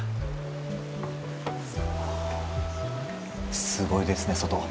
あすごいですね外